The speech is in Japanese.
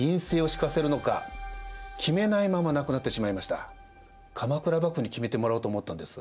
さて後嵯峨上皇鎌倉幕府に決めてもらおうと思ったんです。